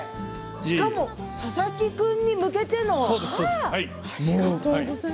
しかも佐々木君に向けての。